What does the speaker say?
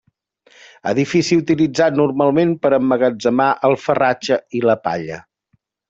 Edifici utilitzat normalment per emmagatzemar el farratge i la palla.